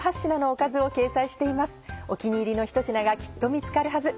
お気に入りのひと品がきっと見つかるはず。